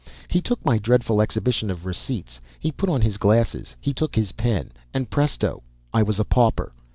He took my dreadful exhibition of receipts, he put on his glasses, he took his pen, and presto! I was a pauper!